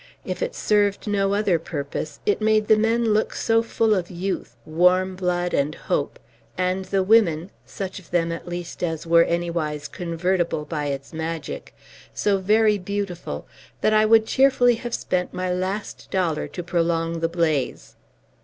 If it served no other purpose, it made the men look so full of youth, warm blood, and hope, and the women such of them, at least, as were anywise convertible by its magic so very beautiful, that I would cheerfully have spent my last dollar to prolong the blaze.